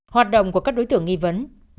hoạt động của các đối tưởng nghi vấn